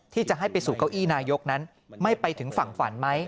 ที่จะให้ไปสู่เก้าอี้นายกนั้นไม่ไปถึงฝั่งฝันไหม